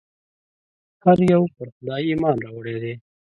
هر یو پر خدای ایمان راوړی دی.